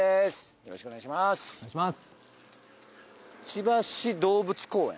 よろしくお願いします